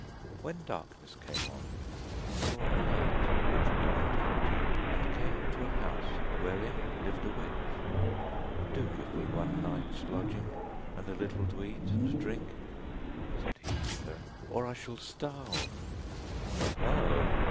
When darkness came on, he saw a light, which he went up to, and came to a house wherein lived a witch. 'Do give me one night's lodging, and a little to eat and drink,' said he to her, 'or I shall starve.' 'Oho!